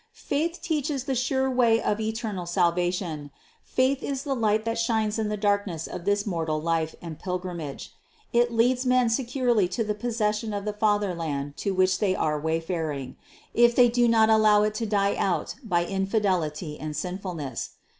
Faith teaches the sure way of eternal salvation, faith is the light that shines in the darkness of this mortal life and pilgrimage; it leads men securely to the possession of the fatherland to which they are way faring, if they do not allow it to die out by infidelity and sinfulness.